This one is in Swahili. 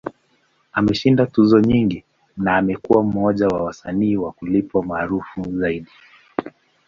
Ameshinda tuzo nyingi, na amekuwa mmoja wa wasanii wa kulipwa maarufu zaidi.